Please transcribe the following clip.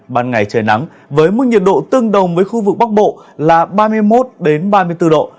ban ngày trời nắng với mức nhiệt độ tương đồng với khu vực bắc bộ là ba mươi một ba mươi bốn độ